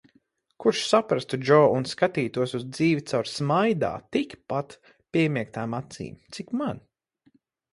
Kurš saprastu Džo un skatītos uz dzīvi caur smaidā tikpat piemiegtām acīm, cik man.